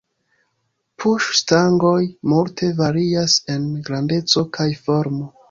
Puŝ-stangoj multe varias en grandeco kaj formo.